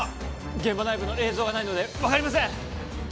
現場内部の映像がないので分かりません